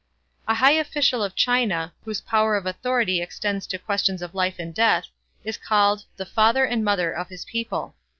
A high official of China, whose power of authority extends to questions of life and death, is called "the father and mother of his people."